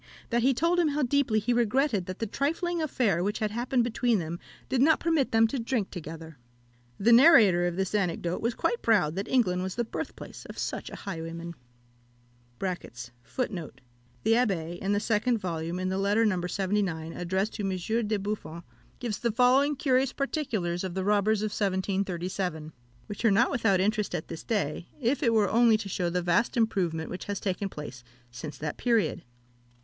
that he told him how deeply he regretted that the trifling affair which had happened between them did not permit them to drink together. The narrator of this anecdote was quite proud that England was the birthplace of such a highwayman. The Abbé, in the second volume, in the letter No. 79, addressed to Monsieur de Buffon, gives the following curious particulars of the robbers of 1737, which are not without interest at this day, if it were only to shew the vast improvement which has taken place since that period.